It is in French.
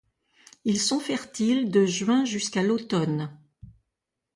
Ils sont fertiles de juin jusqu'à l'automne.